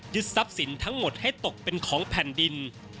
ทรัพย์สินทั้งหมดให้ตกเป็นของแผ่นดิน